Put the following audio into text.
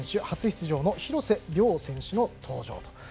初出場の廣瀬峻選手の登場。